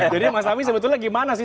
jadi mas awi sebetulnya gimana sih